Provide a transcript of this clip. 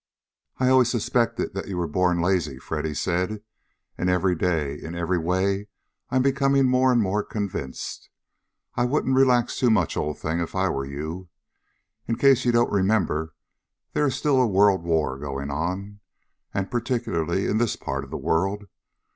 "I always suspected that you were born lazy," Freddy said. "And every day in every way I'm becoming more and more convinced. I wouldn't relax too much, old thing, if I were you. In case you don't remember, there is still a world war going on. And particularly in this part of the world.